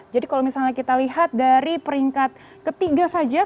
jadi kalau misalnya kita lihat dari peringkat ketiga saja